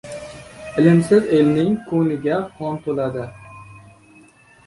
Ilmsiz elning ko‘ngliga qon to‘ladi.